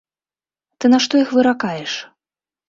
Ты на што іх выракаеш?